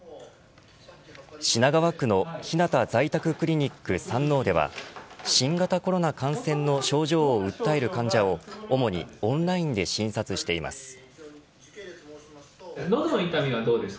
品川区のひなた在宅クリニック山王では新型コロナ感染の症状を訴える患者を主にオンラインで診察しています。